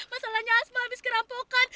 masalahnya asma habis kerampokan